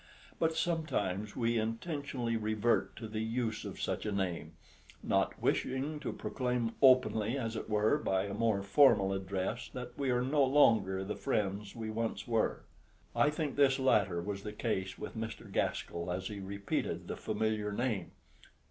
But sometimes we intentionally revert to the use of such a name, not wishing to proclaim openly, as it were, by a more formal address that we are no longer the friends we once were. I think this latter was the case with Mr. Gaskell as he repeated the familiar name.